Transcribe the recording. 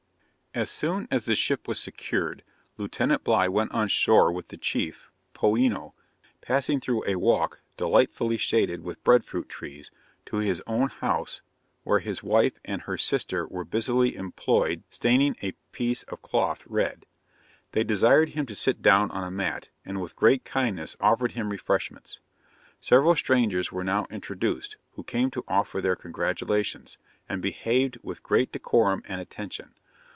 As soon as the ship was secured, Lieutenant Bligh went on shore with the chief, Poeeno, passing through a walk delightfully shaded with bread fruit trees, to his own house, where his wife and her sister were busily employed staining a piece of cloth red. They desired him to sit down on a mat, and with great kindness offered him refreshments. Several strangers were now introduced, who came to offer their congratulations, and behaved with great decorum and attention.